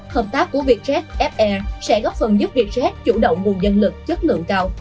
hợp tác của việt jet f air sẽ góp phần giúp việt jet chủ động nguồn dân lực chất lượng cao